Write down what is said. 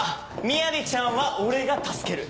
みやびちゃんは俺が助ける。